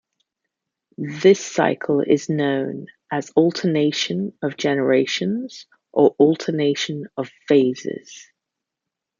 This cycle is known as alternation of generations or alternation of phases.